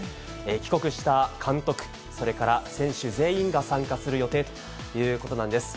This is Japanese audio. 帰国した監督、それから選手全員が参加する予定ということなんです。